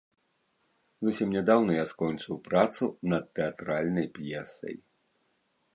Зусім нядаўна я скончыў працу над тэатральнай п'есай.